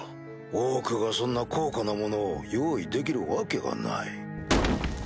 オークがそんな高価なものを用意できるわけがない。